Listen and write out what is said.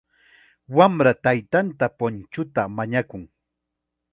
Wamra taytanta punchuta mañakun.